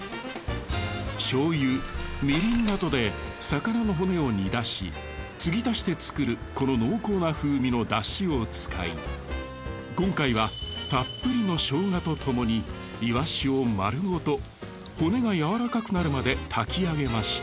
醤油みりんなどで魚の骨を煮出し継ぎ足して作るこの濃厚な風味のだしを使い今回はたっぷりの生姜とともにイワシを丸ごと骨がやわらかくなるまで炊き上げました。